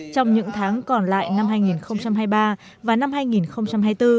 trong những tháng còn lại năm hai nghìn hai mươi ba và năm hai nghìn hai mươi bốn